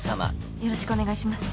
よろしくお願いします。